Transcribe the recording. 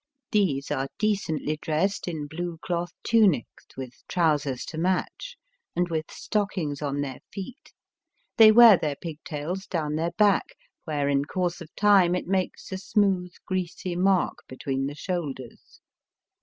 These are decently dressed in blue cloth tunics, with trousers to match, and with stockings on their feet. They wear their pig tail down their back, where in course of time it makes a smooth greasy mark between the shoulders.